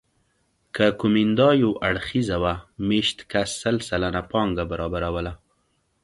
که کومېندا یو اړخیزه وه مېشت کس سل سلنه پانګه برابروله